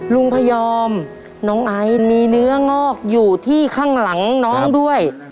พยอมน้องไอมีเนื้องอกอยู่ที่ข้างหลังน้องด้วย